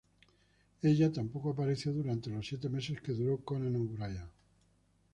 Ella tampoco apareció durante los siete meses que duró Conan O'Brien.